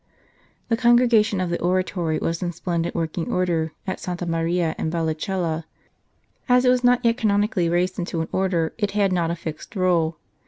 The Congregation of the Oratory was in splendid working order at Santa Maria in Vallicella ; as it was not yet canonically raised into an Order, it had not a fixed Rule.